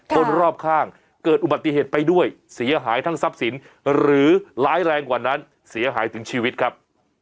คนรอบข้างเกิดอุบัติเหตุไปด้วยเสียหายทั้งทรัพย์สินหรือร้ายแรงกว่านั้นเสียหายถึงชีวิตครับ